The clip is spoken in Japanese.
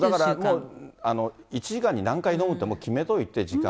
だからもう１時間に何回飲むって決めといて、時間を。